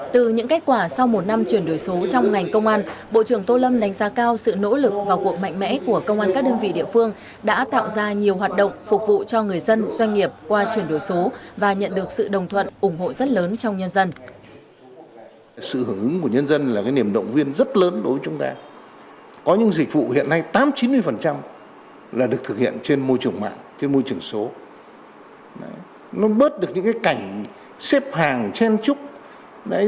từ những kết quả sau một năm chuyển đổi số trong ngành công an bộ trưởng tô lâm đánh giá cao sự nỗ lực và cuộc mạnh mẽ của công an các đơn vị địa phương đã tạo ra nhiều hoạt động phục vụ cho người dân doanh nghiệp qua chuyển đổi số và nhận được sự đồng thuận ủng hộ rất lớn trong nhân dân